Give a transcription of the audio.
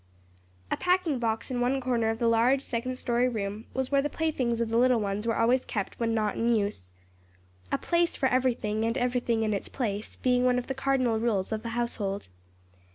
A packing box in one corner of the large second story room was where the playthings of the little ones were always kept when not in use. "A place for everything and everything in its place," being one of the cardinal rules of the household.